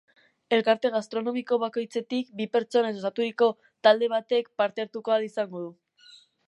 Elkarte gastronomiko bakoitzetik bi pertsonez osaturiko talde batek parte hartu ahal izango du.